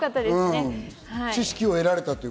知識を得られた。